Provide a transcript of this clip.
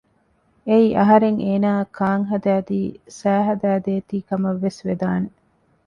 އެއީ އަހަރެން އޭނާއަށް ކާން ހަދައިދީ ސައި ހަދައި ދޭތީ ކަމަށްވެސް ވެދާނެ